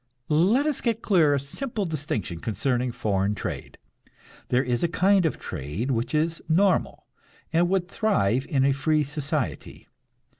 Let us get clear a simple distinction concerning foreign trade. There is a kind of trade which is normal, and would thrive in a "free" society.